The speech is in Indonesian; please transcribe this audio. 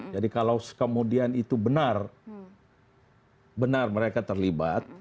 jadi kalau kemudian itu benar mereka terlibat